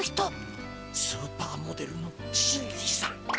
スーパーモデルのシンディさん！